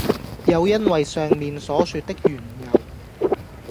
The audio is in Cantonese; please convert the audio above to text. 又因爲上面所說的緣由，